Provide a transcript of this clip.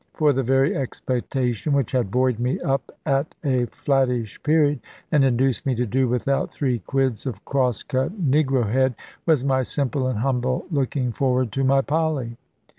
For the very expectation which had buoyed me up at a flattish period, and induced me to do without three quids of cross cut negrohead, was my simple and humble looking forward to my Polly.